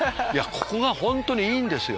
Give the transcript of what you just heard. ここが本当にいいんですよ。